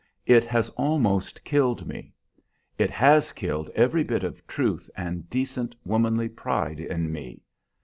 It has almost killed me; it has killed every bit of truth and decent womanly pride in me.